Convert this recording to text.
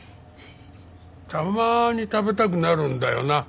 たまに食べたくなるんだよな。